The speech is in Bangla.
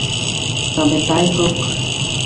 তবে তাই হোক।